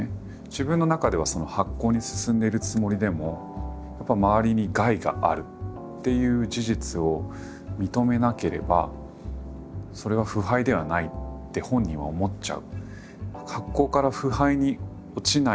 自分の中ではその発酵に進んでいるつもりでも周りに害があるっていう事実を認めなければそれは腐敗ではないって本人は思っちゃう。